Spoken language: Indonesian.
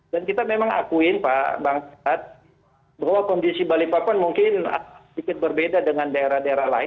dan kita memang akuin pak bang rad bahwa kondisi balikpapan mungkin sedikit berbeda dengan daerah daerah lain